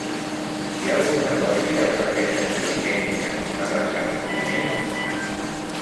Hi ha algun negoci al carrer Santcliment cantonada Santcliment?